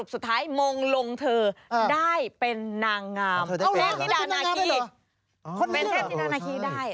เป็นเทพธินาณาคีได้